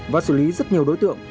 và xử lý rất nhiều đối tượng